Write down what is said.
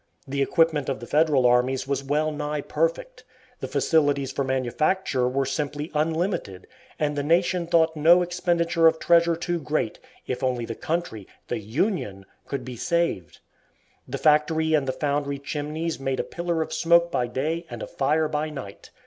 The equipment of the Federal armies was well nigh perfect. The facilities for manufacture were simply unlimited, and the nation thought no expenditure of treasure too great, if only the country, the Union! could be saved. The factory and the foundry chimneys made a pillar of smoke by day and of fire by night.